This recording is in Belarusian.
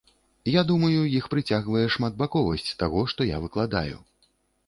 Я думаю, іх прыцягвае шматбаковасць таго, што я выкладаю.